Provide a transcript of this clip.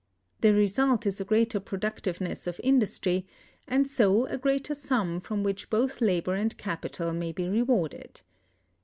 The result is a greater productiveness of industry, and so a greater sum from which both labor and capital may be rewarded.